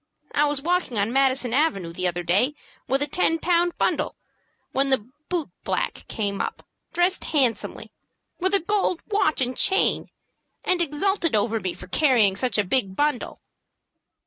I was walking on Madison Avenue the other day with a ten pound bundle, when the boot black came up, dressed handsomely, with a gold watch and chain, and exulted over me for carrying such a big bundle."